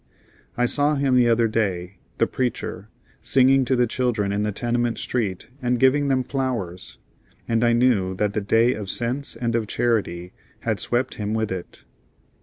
I saw him the other day the preacher singing to the children in the tenement street and giving them flowers; and I knew that the day of sense and of charity had swept him with it.